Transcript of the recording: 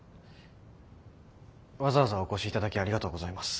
わざわざお越しいただきありがとうございます。